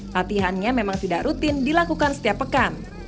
latihannya memang tidak rutin dilakukan setiap pekan